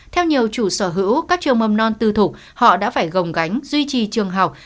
theo nhiều chủ sở hữu các trường mầm non tư thục họ đã phải gồng gánh duy trì trường học